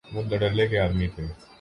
وہ دھڑلے کے آدمی تھے۔